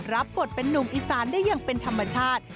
รับบทเป็นนุ่มอีสานได้อย่างเป็นธรรมชาติ